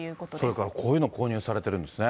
それからこういうの、購入されているんですね。